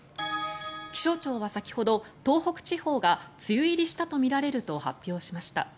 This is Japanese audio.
気象庁は先ほど東北地方が梅雨入りしたとみられると発表しました。